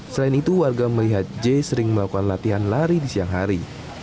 selain itu warga melihat j sering melakukan latihan lari di siang hari